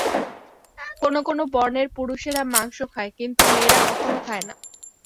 কোন কোন বর্ণের পুরুষেরা মাংস খায়, কিন্তু মেয়েরা কখনও খায় না।